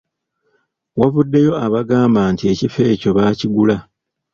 Wavuddeyo abagamba nti ekifo ekyo baakigula.